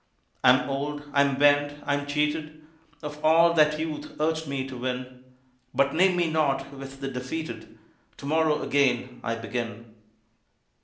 I am old, I am bent, I am cheated Of all that Youth urged me to win; But name me not with the defeated, To morrow again, I begin.